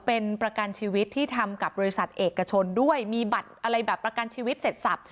เป็นประกันชีวิตที่ทำกับบริษัทเอกชนด้วยมีบัตรอะไรแบบประกันชีวิตเสร็จสับ